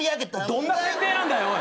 どんな設定なんだ！？